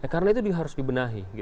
karena itu harus dibenahi